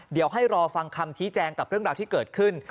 เดี๋ยวให้รอฟังคำชี้แจงกับเรื่องราวที่เกิดขึ้น